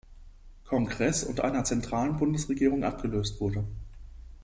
Kongress und einer zentralen Bundesregierung abgelöst wurde.